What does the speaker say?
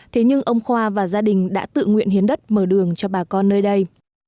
thế nhưng ông khoa và gia đình đã tự nguyện hiến đất mở đường cho bà con nơi đây